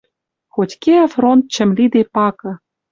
Хоть кеӓ фронт чӹм лиде пакы